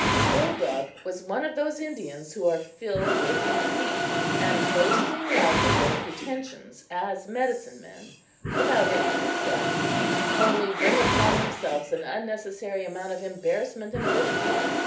Slow Dog was one of those Indians who are filled with conceit, and boasting loudly their pretensions as medicine men, without any success, only bring upon themselves an unnecessary amount of embarrassment and ridicule.